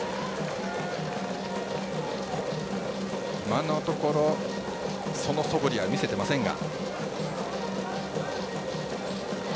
今のところそのそぶりは見せていませんが。